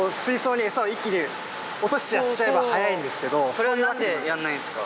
それは何でやんないんですか？